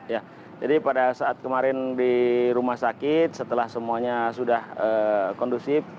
ya jadi pada saat kemarin di rumah sakit setelah semuanya sudah kondusif